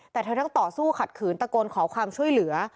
แต่เธอทั้งต่อสู้ขัดขืนตะโกนขอความช่วยเหลือ